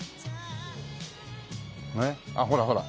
ねっあっほらほら。